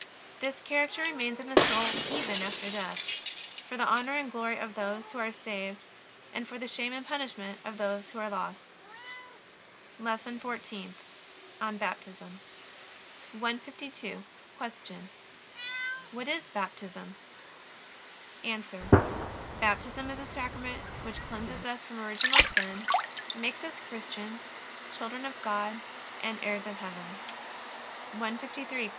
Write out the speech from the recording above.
This character remains in the soul even after death: for the honor and glory of those who are saved; for the shame and punishment of those who are lost. LESSON FOURTEENTH ON BAPTISM 152. Q. What is Baptism? A. Baptism is a Sacrament which cleanses us from original sin, makes us Christians, children of God, and heirs of heaven. 153. Q.